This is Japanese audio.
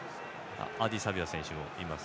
アーディー・サベア選手もいます。